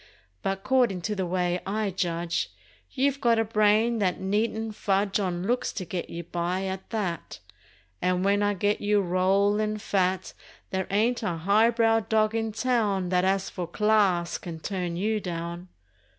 But 'cordin' to the way I judge You've got a brain that needn't fudge On looks to get you by, at that, And when I get you rollin' fat There ain't a high brow dog in town That as for "class" can turn you down!